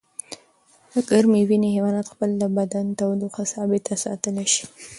د ګرمې وینې حیوانات خپل د بدن تودوخه ثابته ساتلی شي